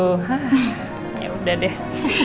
hah ya udah deh